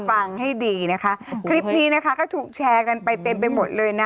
ฟังให้ดีนะคะคลิปนี้นะคะก็ถูกแชร์กันไปเต็มไปหมดเลยนะ